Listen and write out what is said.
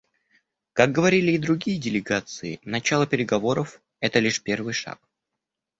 Как говорили и другие делегации, начало переговоров − это лишь первый шаг.